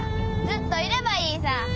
ずっといればいいさぁ。